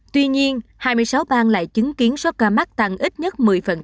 tuy nhiên hai mươi sáu bang lại chứng kiến số ca mắc tăng ít nhất một mươi